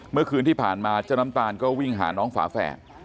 เมื่อคืนที่ผ่านมาเจ้าน้ำตาลก็วิ่งหาน้องฝาแฝด